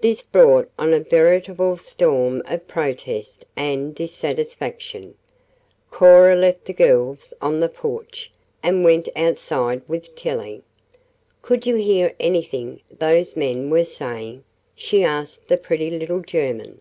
This brought on a veritable storm of protest and dissatisfaction. Cora left the girls on the porch, and went outside with Tillie. "Could you hear anything those men were saying?" she asked the pretty little German.